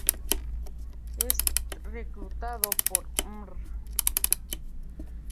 Es reclutado por Mr.